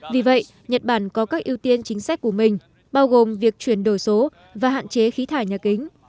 vì vậy nhật bản có các ưu tiên chính sách của mình bao gồm việc chuyển đổi số và hạn chế khí thải nhà kính